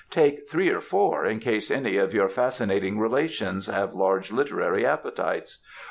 "Take three or four in case any of your fascinating relations have large literary appetites.